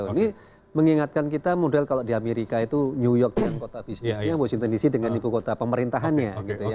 ini mengingatkan kita model kalau di amerika itu new york yang kota bisnisnya washington dc dengan ibu kota pemerintahannya gitu ya